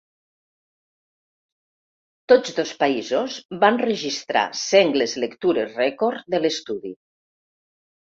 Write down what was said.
Tots dos països van registrar sengles lectures rècord de l’estudi.